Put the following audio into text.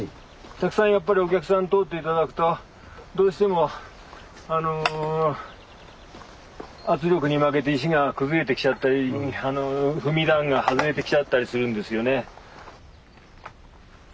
たくさんやっぱりお客さん通って頂くとどうしても圧力に負けて石が崩れてきちゃったり踏み段が外れてきちゃったりするんですよね。